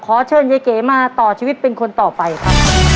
ขอเชิญยายเก๋มาต่อชีวิตเป็นคนต่อไปครับ